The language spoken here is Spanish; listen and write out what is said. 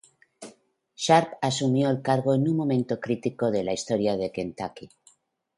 Sharp asumió el cargo en un momento crítico de la historia de Kentucky.